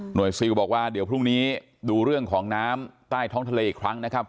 ซิลบอกว่าเดี๋ยวพรุ่งนี้ดูเรื่องของน้ำใต้ท้องทะเลอีกครั้งนะครับ